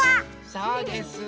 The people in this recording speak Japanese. そうです。